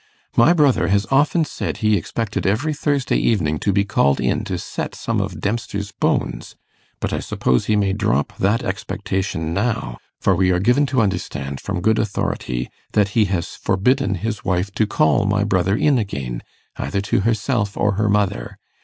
My brother has often said he expected every Thursday evening to be called in to set some of Dempster's bones; but I suppose he may drop that expectation now, for we are given to understand from good authority that he has forbidden his wife to call my brother in again either to herself or her mother.